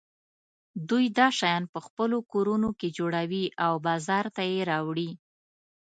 دوی دا شیان په خپلو کورونو کې جوړوي او بازار ته یې راوړي.